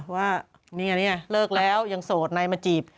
ว่าเนี่ยเลิกแล้วยังโสดในมาจีบ